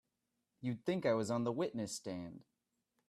You'd think I was on the witness stand!